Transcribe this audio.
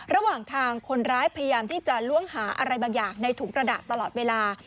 ระหว่างทางคนร้ายพยายามที่จะล้วงหาอะไรบางอย่างในถุงกระดาษตลอดเวลา